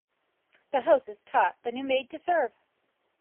The hostess taught the new maid to serve.